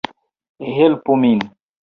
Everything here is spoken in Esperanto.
Helpu min